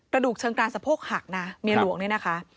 กระดูกเชิงกลางสะโพกหักนะเมียหลวงเนี่ยนะคะ